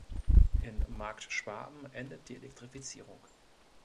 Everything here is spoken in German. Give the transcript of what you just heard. In Markt Schwaben endet die Elektrifizierung.